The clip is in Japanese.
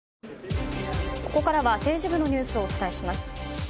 ここからは政治部のニュースをお伝えします。